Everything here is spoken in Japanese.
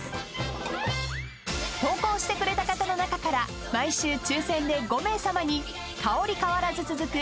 ［投稿してくれた方の中から毎週抽選で５名さまに香り変わらず続く